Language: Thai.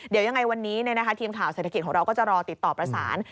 เดี๋ยวยังไงวันนี้ทีมข่าวเศรษฐกิจของเราก็จะรอติดต่อประสาน